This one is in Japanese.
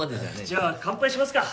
じゃあ乾杯しますか。